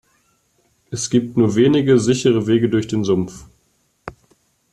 Es gibt nur wenige sichere Wege durch den Sumpf.